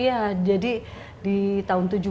iya jadi di tahun